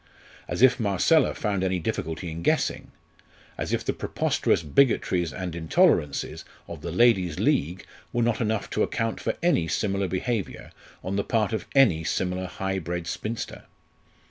As if Marcella found any difficulty in guessing as if the preposterous bigotries and intolerances of the Ladies' League were not enough to account for any similar behaviour on the part of any similar high bred spinster!